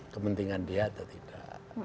kepentingan dia atau tidak